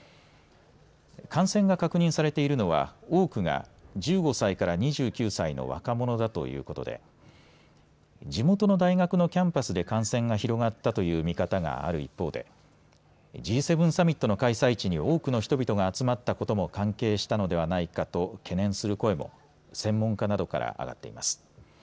感染が確認されているのは多くが１５歳から２９歳の若者だということで地元の大学のキャンパスで感染が広がったという見方がある一方でＧ７サミットの開催地に多くの人々が集まったことも関係したのではないかと懸念する声も専門家などから上がっています。